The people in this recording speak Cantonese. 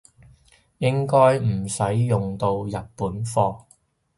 應該唔使用到日本貨